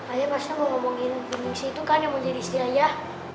ayah pasti mau ngomongin bindingsi itu kan yang mau jadi istri ayah